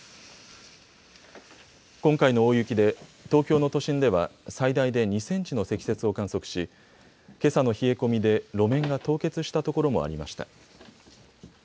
今回の大雪で東京の都心では最大で２センチの積雪を観測しけさの冷え込みで路面が凍結したところもありました。